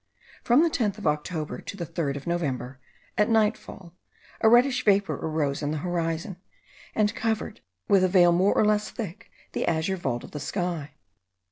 From the 10th of October to the 3rd of November, at nightfall, a reddish vapour arose in the horizon, and covered, in a few minutes, with a veil more or less thick, the azure vault of the sky.